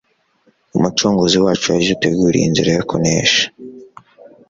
Umucunguzi wacu yaduteguriye inzira yo kunesha